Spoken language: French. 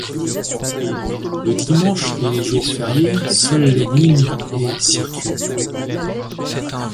Le dimanche et les jours fériés, seules les lignes et circulent.